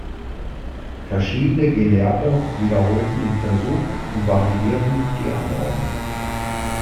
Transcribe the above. Verschiedene Gelehrte wiederholten den Versuch und variierten die Anordnung.